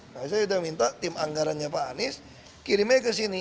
nah saya sudah minta tim anggarannya pak anies kirimnya ke sini